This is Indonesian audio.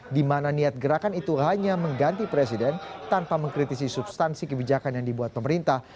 di mana niat gerakan itu hanya mengganti presiden tanpa mengkritisi substansi kebijakan yang dibuat pemerintah